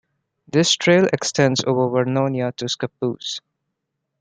This trail extends over Vernonia to Scappoose.